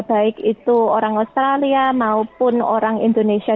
baik itu orang australia maupun orang indonesia